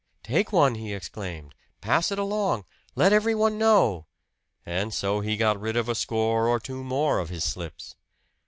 "Take one!" he exclaimed. "Pass it along! Let everyone know!" And so he got rid of a score or two more of his slips.